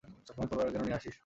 সবসময় তলোয়ার কেন নিয়ে আসিস?